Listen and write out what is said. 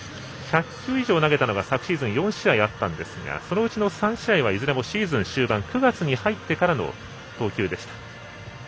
１００球以上投げたのは昨シーズン４試合あったんですがそのうちの３試合はいずれもシーズン終盤９月に入ってからの投球でした。